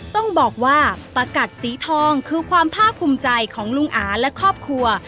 ต้องบอกว่าประกัดสีทองคือความภาคภูมิใจของลุงอาและครอบครัว